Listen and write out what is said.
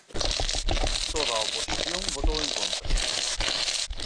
¡Toda a oposición votou en contra!